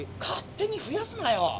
勝手に増やすなよ。